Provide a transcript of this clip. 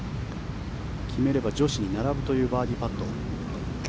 決めれば女子に並ぶというバーディーパット。